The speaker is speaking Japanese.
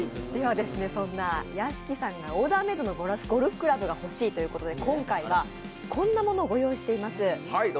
屋敷さんがオーダーメイドのゴルフクラブが欲しいということで今回はこんなものを御用意しています。